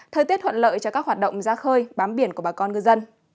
thời tiết thuận lợi cho các hoạt động ra khơi bám biển của bà con ngư dân